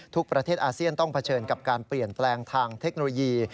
ทุกประเทศอาเซียนต้องเผชิญกับการเปลี่ยนแปลงทางเทคโนโลยี